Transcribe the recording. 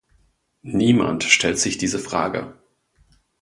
Niemand stellt sich diese Frage.